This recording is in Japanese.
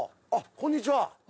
こんにちは。